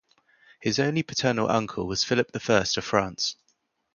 His only paternal uncle was Philip the First of France.